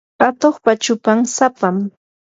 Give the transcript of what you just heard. atuqpa chupan sapam.